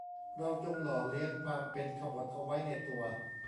เราจงหล่อเลี้ยงความเป็นขบถเอาไว้ในตัว